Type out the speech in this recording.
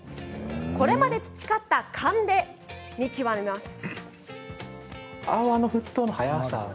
これまで培った勘で見極めます。